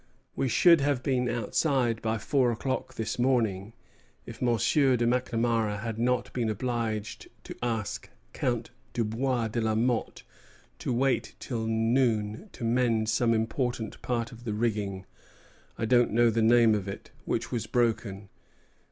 We should have been outside by four o'clock this morning, if M. de Macnamara had not been obliged to ask Count Dubois de la Motte to wait till noon to mend some important part of the rigging (I don't know the name of it) which was broken.